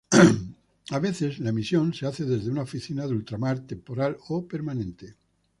A veces la emisión se hace desde una oficina de ultramar temporal o permanente.